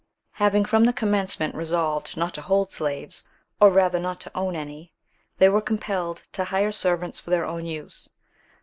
Having from the commencement resolved not to hold slaves, or rather not to own any, they were compelled to hire servants for their own use.